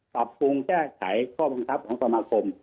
ปรับปรุงแก้ไขข้อบังคับของสมาคม